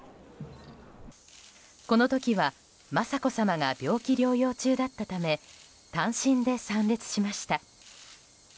この時は、雅子さまが病気療養中だったため単身で参列しました。